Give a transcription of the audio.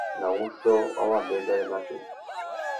Nà wuchiô wa wabêbêrê matê.